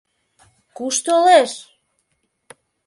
Куш толеш?